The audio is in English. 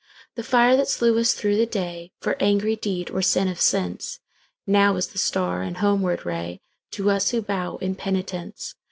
The fire that slew us through the dayFor angry deed or sin of senseNow is the star and homeward rayTo us who bow in penitence.